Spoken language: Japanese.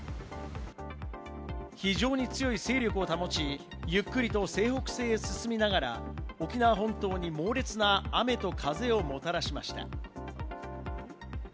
非常に強い勢力を保ち、ゆっくりと西北西へ進みながら、沖縄本島に猛烈な雨と風をもたらしました。